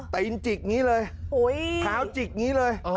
แต่ยินจีกนี่เลยขาวจีกงี้เลย